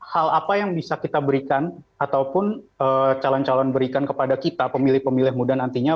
hal apa yang bisa kita berikan ataupun calon calon berikan kepada kita pemilih pemilih muda nantinya